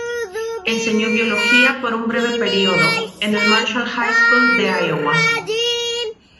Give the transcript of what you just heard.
Enseñó biología por un breve periodo en el "Marshall High School" de Iowa.